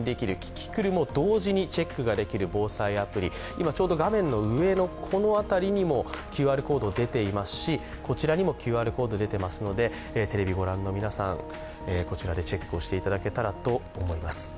今画面の上のこの辺りにもＱＲコード出ていますし、こちらにもＱＲコード出ていますので、テレビをご覧の皆さん、こちらでチェックをしていただけたらと思います。